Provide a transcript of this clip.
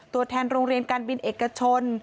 ตัวแทนโรงเรียนการบินเอกชน